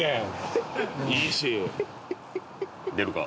「出るか？」